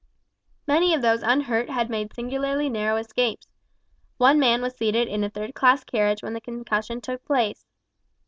Many of those unhurt had made singularly narrow escapes. One man was seated in a third class carriage when the concussion took place.